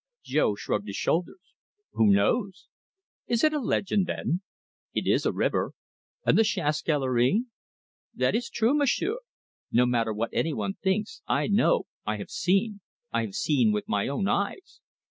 Jo shrugged his shoulders. "Who knows!" "Is it a legend, then?" "It is a river." "And the chasse galerie?" "That is true, M'sieu', no matter what any one thinks. I know; I have seen I have seen with my own eyes."